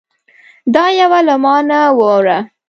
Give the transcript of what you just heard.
دا یوه له ما نه واوره